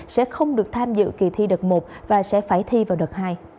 sẽ không được tham dự kỳ thi đợt một và sẽ phải thi vào đợt hai